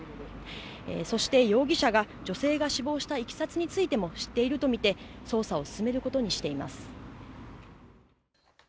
そして容疑者が女性が死亡したいきさつについても知っていると見て捜査を進めることにしています。